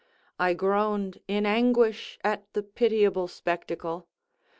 I groaned in anguish at the pitiable spectacle.